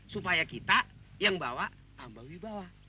supaya kita yang bawa tambah wibawa